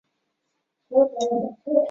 风景因山林开垦而消失